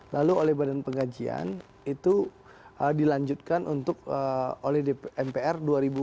lalu oleh badan pengkajian itu dilanjutkan oleh mpr dua ribu empat belas dua ribu sembilan belas